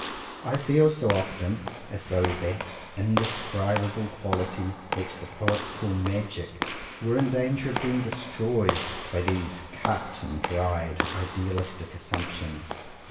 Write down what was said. I feel so often as though that indescribable qual ity which the poets call magic, were in dan ger of being destroyed by these cut and 45 CONFESSIONS OF TWO BROTHERS dried idealistic assumptions.